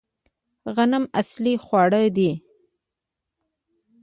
غنم اصلي خواړه دي